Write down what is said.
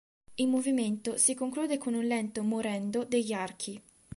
Il movimento si conclude con un lento "morendo" degli archi.